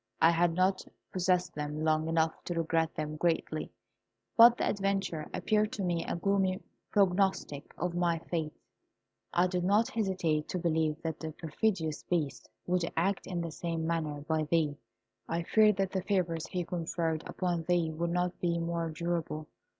I had not possessed them long enough to regret them greatly; but the adventure appeared to me a gloomy prognostic of my fate. I did not hesitate to believe that the perfidious Beast would act in the same manner by thee. I feared that the favours he conferred upon thee would not be more durable.